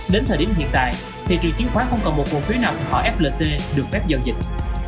đến thời điểm hiện tại thị trường chiến khóa không còn một quà phiếu nào khỏi flc được phép giao dịch